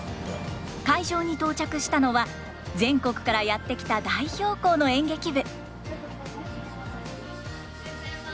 会場に到着したのは全国からやって来た代表校の演劇部。